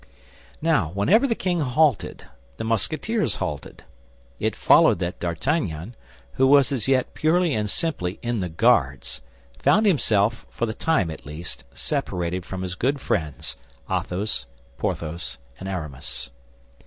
Now, whenever the king halted, the Musketeers halted. It followed that D'Artagnan, who was as yet purely and simply in the Guards, found himself, for the time at least, separated from his good friends—Athos, Porthos, and Aramis.